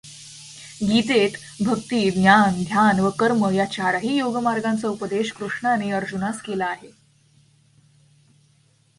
गीतेत भक्ती, ज्ञान, ध्यान व कर्म या चारही योगमार्गांचा उपदेश कृष्णाने अर्जुनास केला आहे.